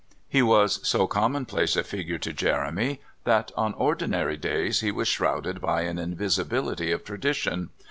He was so commonplace a figure to Jeremy that, on ordinary days, he was shrouded by an invisibility of tradition.